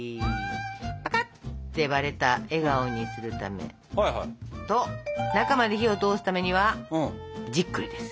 ぱかって割れた笑顔にするためと中まで火を通すためにはじっくりです。